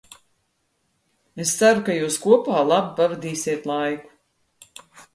Es ceru, ka jūs kopā labi pavadīsiet laiku!